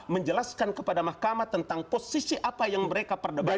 menjelaskan kepada mahkamah tentang posisi apa yang mereka perdebatkan